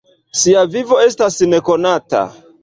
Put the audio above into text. Sia vivo estas nekonata.